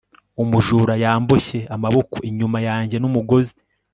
umujura yamboshye amaboko inyuma yanjye n'umugozi